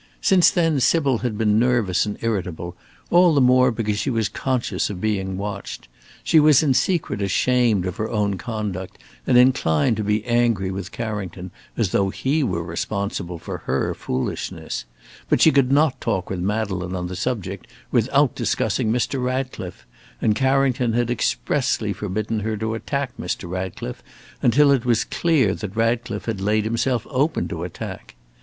Since then Sybil had been nervous and irritable, all the more because she was conscious of being watched. She was in secret ashamed of her own conduct, and inclined to be angry with Carrington, as though he were responsible for her foolishness; but she could not talk with Madeleine on the subject without discussing Mr. Ratcliffe, and Carrington had expressly forbidden her to attack Mr. Ratcliffe until it was clear that Ratcliffe had laid himself open to attack.